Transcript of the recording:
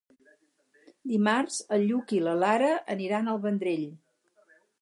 Dimarts en Lluc i na Lara aniran al Vendrell.